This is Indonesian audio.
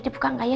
dibuka gak ya